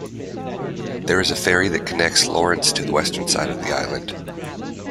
There is a ferry that connects Lawrence to the western side of the island.